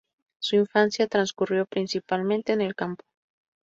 Su infancia transcurrió principalmente en el campo.